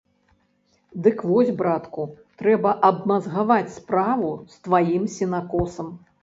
Дык вось, братку, трэба абмазгаваць справу з тваім сенакосам.